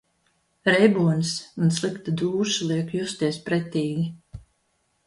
Reibonis un slikta dūša liek justies pretīgi.